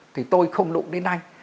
thì tôi không đụng đến anh